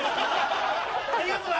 ありがとな！